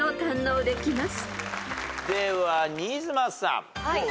では新妻さん。